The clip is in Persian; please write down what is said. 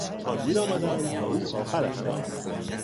آنها دیر آمدند و او آخر همه آمد.